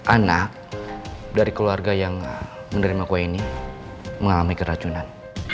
anak dari keluarga yang menerima kue ini mengalami keracunan